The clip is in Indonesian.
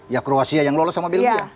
ya kroasia yang lolos sama belgia